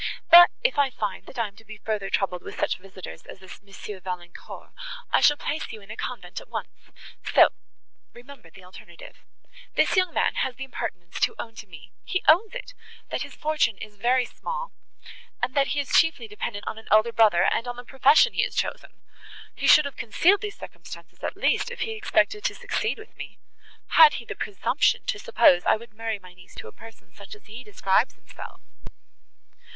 But if I find, that I am to be further troubled with such visitors as this M. Valancourt, I shall place you in a convent at once;—so remember the alternative. This young man has the impertinence to own to me,—he owns it! that his fortune is very small, and that he is chiefly dependent on an elder brother and on the profession he has chosen! He should have concealed these circumstances, at least, if he expected to succeed with me. Had he the presumption to suppose I would marry my niece to a person such as he describes himself!"